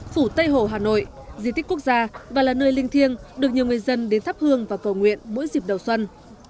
phủ tây hồ hà nội di tích quốc gia và là nơi linh thiêng được nhiều người dân đến thắp hương và cầu nguyện mỗi dịp đầu xuân